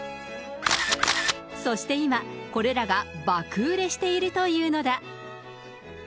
そして今、これらが爆売れしているというのだ。